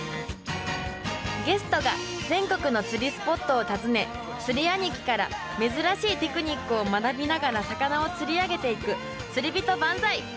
ゲストが全国の釣りスポットを訪ね釣り兄貴から珍しいテクニックを学びながら魚を釣り上げていく「釣りびと万歳」。